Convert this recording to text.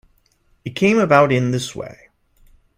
It came about in this way.